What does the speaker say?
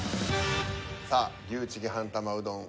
さあ牛チゲ半玉うどん。